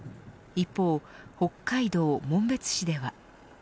一方、北海道紋別市では。